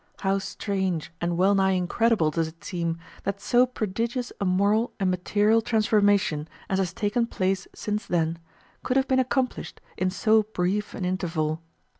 How strange and wellnigh incredible does it seem that so prodigious a moral and material transformation as has taken place since then could have been accomplished in so brief an interval!